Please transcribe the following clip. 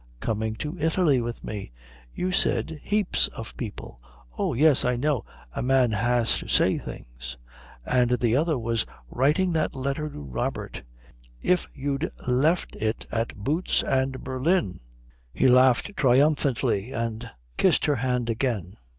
"Coming to Italy with me." "You said heaps of people " "Oh, yes, I know a man has to say things. And the other was writing that letter to Robert. If you'd left it at boots and Berlin!" He laughed triumphantly and kissed her hand again.